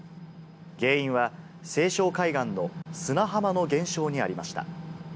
原因は西湘海岸の砂浜の減少にありました。